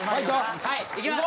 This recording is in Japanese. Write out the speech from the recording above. はいいきます！